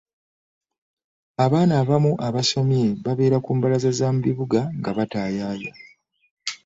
abaana abamu abasomye babeera ku mbalaza z'omubibuga nga batayaaya.